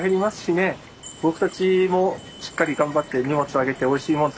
僕たちもしっかり頑張って荷物上げておいしいもの